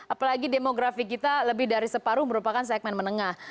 apalagi demografi kita lebih dari separuh merupakan segmen menengah